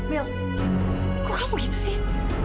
mil kok kamu gitu sih